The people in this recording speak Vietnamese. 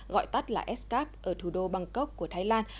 gọi tắt là s cap ở thủ đô bangkok của thái lan